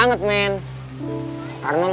ya gue gak mau percaya sama orang